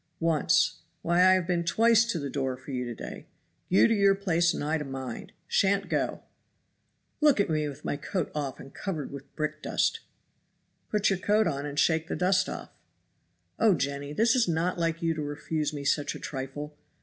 "Once! why I have been twice to the door for you to day. You to your place and I to mine. Shan't go!" "Look at me with my coat off and covered with brickdust." "Put your coat on and shake the dust off." "Oh, Jenny! that is not like you to refuse me such a trifle.